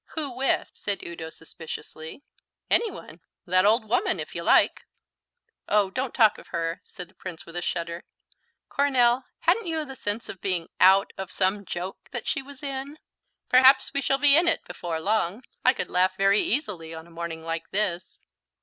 "Who with?" said Udo suspiciously. "Any one that old woman, if you like." "Oh, don't talk of her," said the Prince with a shudder. "Coronel, hadn't you a sense of being out of some joke that she was in?" "Perhaps we shall be in it before long. I could laugh very easily on a morning like this."